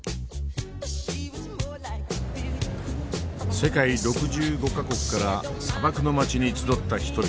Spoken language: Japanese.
世界６５か国から砂漠の街に集った人々。